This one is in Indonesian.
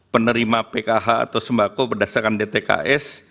penerima pkh atau sembako berdasarkan dtks